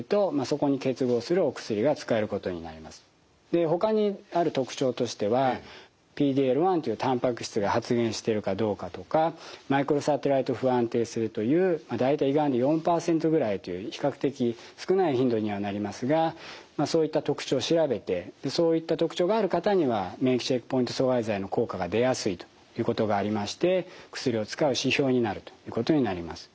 でほかにある特徴としてはＰＤ−Ｌ１というたんぱく質が発現してるかどうかとかマイクロサテライト不安定性という大体胃がんに４％ぐらいという比較的少ない頻度にはなりますがそういった特徴を調べてそういった特徴がある方には免疫チェックポイント阻害剤の効果が出やすいということがありまして薬を使う指標になるということになります。